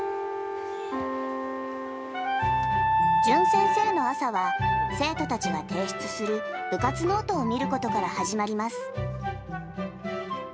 淳先生の朝は、生徒たちが提出する部活ノートを見ることから始まります。